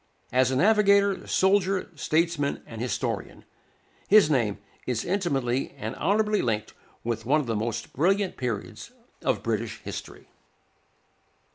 As a navigator, soldier, statesman, and historian, his name is intimately and honorably linked with one of the most brilliant periods of British history.